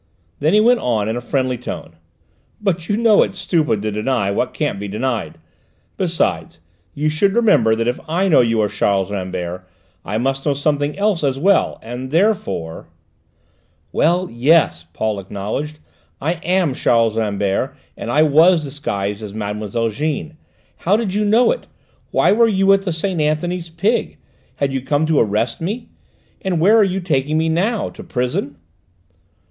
Then he went on in a friendly tone. "But you know it's stupid to deny what can't be denied. Besides, you should remember that if I know you are Charles Rambert I must know something else as well; and therefore " "Well, yes," Paul acknowledged, "I am Charles Rambert, and I was disguised as Mademoiselle Jeanne. How did you know it? Why were you at the Saint Anthony's Pig? Had you come to arrest me? And where are you taking me now to prison?"